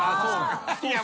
いや。